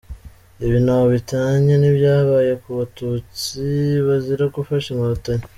Ibi ntaho bitaniye n’ibyabaye ku batutsi bazira gufasha inkotanyi!